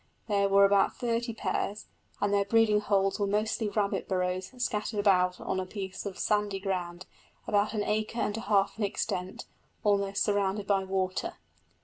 There were about thirty pairs, and their breeding holes were mostly rabbit burrows scattered about on a piece of sandy ground, about an acre and a half in extent, almost surrounded by water.